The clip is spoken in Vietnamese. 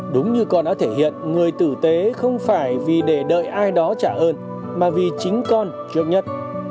đúng như con đã thể hiện người tử tế không phải vì để đợi ai đó trả hơn mà vì chính con trước nhất